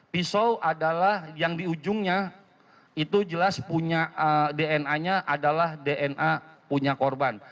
pisau adalah yang di ujungnya itu jelas punya dna nya adalah dna punya korban